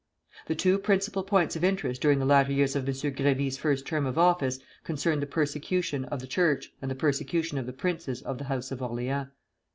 The two principal points of interest during the latter years of M. Grévy's first term of office concerned the persecution of the Church and the persecution of the princes of the house of Orleans.